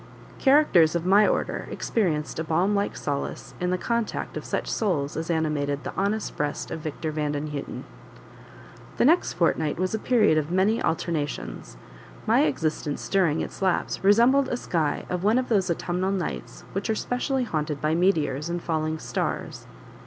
Characters of my order experience a balm like solace in the contact of such souls as animated the honest breast of Victor Vandenhuten. The next fortnight was a period of many alternations; my existence during its lapse resembled a sky of one of those autumnal nights which are specially haunted by meteors and falling stars.